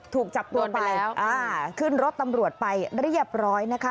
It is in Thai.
ถูกจับตัวไปอ่าขึ้นรถตำรวจไปเรียบร้อยนะคะ